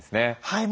はい。